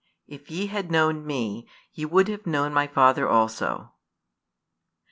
7 If ye had known Me, ye would have known My Father also.